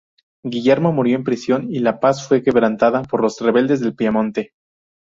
Guillermo murió en prisión y la paz fue quebrantada por los rebeldes del Piamonte.